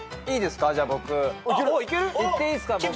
いいですか？